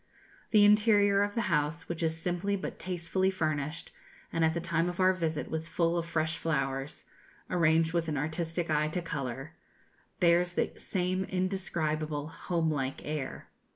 The interior of the house, which is simply but tastefully furnished, and at the time of our visit was full of fresh flowers, arranged with an artistic eye to colour, bears the same indescribable homelike air.